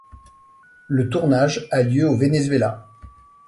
Le tournage a lieu au Venezuela.